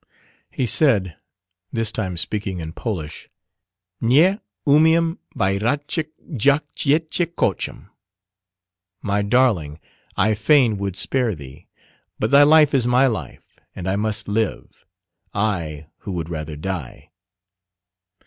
He said this time speaking in Polish Nie umiem wyrazic jak ciechi kocham "My darling, I fain would spare thee: but thy life is my life, and I must live, I who would rather die.